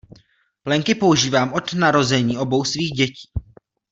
Plenky používám od narození obou svých dětí.